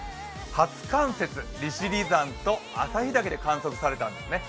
初冠雪、利尻山と旭岳で観測されたんですね。